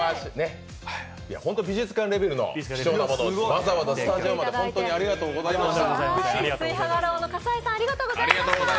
美術館レベルのすばらしいものをわざわざスタジオまでありがとうございました。